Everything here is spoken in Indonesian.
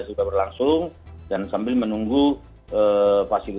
sudah berlangsung dan sambil menunggu fasilitasi tembak untuk memperkuat daerah daerah sungai